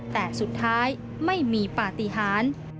แต่สุดท้ายไม่มีปฏิหาร